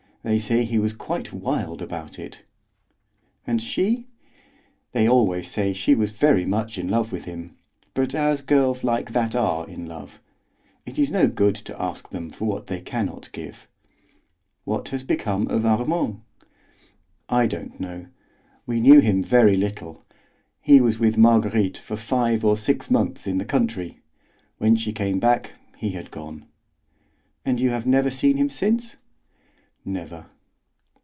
They say he was quite wild about it." "And she?" "They always say she was very much in love with him, but as girls like that are in love. It is no good to ask them for what they can not give." "What has become of Armand?" "I don't know. We knew him very little. He was with Marguerite for five or six months in the country. When she came back, he had gone." "And you have never seen him since?" "Never."